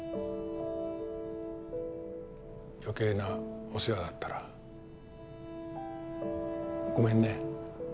余計なお世話だったらごめんね。